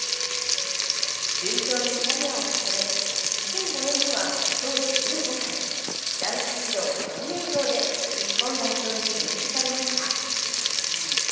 順調にキャリアを重ね、２００５年には当時１５歳、男子史上最年少で日本代表に選出されました。